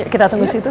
kita tunggu disitu